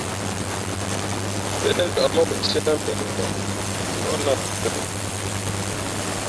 Mbéʼ ndα̌ mά wen tíé nά mbeʼ ndαh mfάʼ nά ā pəpēʼ.